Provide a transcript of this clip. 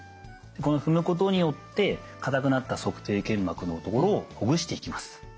この踏むことによって硬くなった足底腱膜のところをほぐしていきます。